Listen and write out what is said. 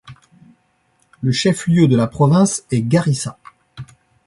Le chef-lieu de la province est Garissa.